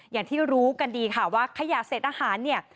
อย่างที่รู้กันดีค่ะว่าขยะเศษอาหารเนี่ย